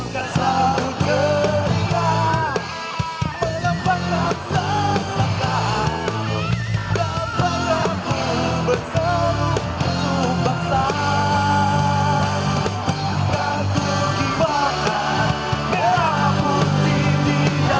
kutoreskan kebakan di dalam jiwaku